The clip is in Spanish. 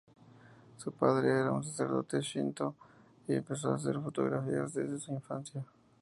Su padre era un sacerdote shinto y empezó a hacer fotografías desde su infancia.